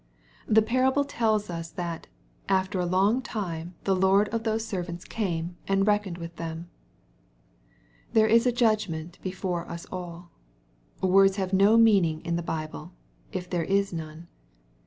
Tbe pam ble tells us that ^^ after a long time the lord of those servants came, and reckoned with them/' There is a judgment before us all Words have no meaning in the Bible, if there is none.